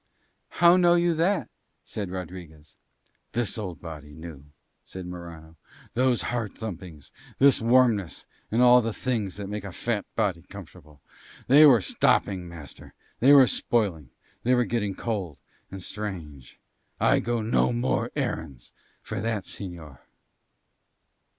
"How know you that?" said Rodriguez. "This old body knew," said Morano. "Those heart thumpings, this warmness, and all the things that make a fat body comfortable, they were stopping, master, they were spoiling, they were getting cold and strange: I go no more errands for that señor."